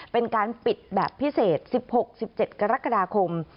เป็นการปิดแบบพิเศษ๑๖๑๗กรกฎาคม